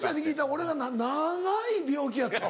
俺長い病気やったわ。